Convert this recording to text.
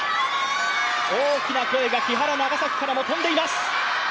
大きな声が木原、長崎からも飛んでいます。